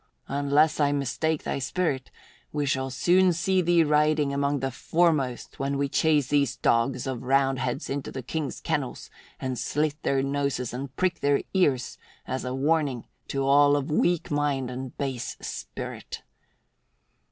Unless I mistake thy spirit, we shall soon see thee riding among the foremost when we chase these dogs of Roundheads into the King's kennels and slit their noses and prick their ears as a warning to all of weak mind and base spirit."